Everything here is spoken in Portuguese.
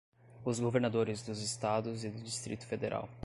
os governadores dos Estados e do Distrito Federal;